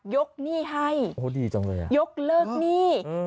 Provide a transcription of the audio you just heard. ยกหนี้ให้โอ้ดีจังเลยยกเลิกนี้อืม